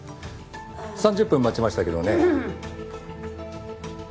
３０分待ちましたけどね。